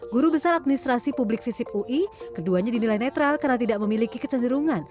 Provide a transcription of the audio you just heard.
guru besar administrasi publik visip ui keduanya dinilai netral karena tidak memiliki kecenderungan